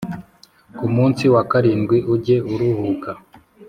Ku munsi wa karindwi ujye uruhuka